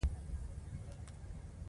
هره ونه یې رهبره د لښکر وه